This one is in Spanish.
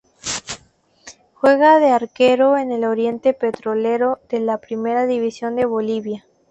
Juega de arquero en el Oriente Petrolero de la Primera División de Bolivia.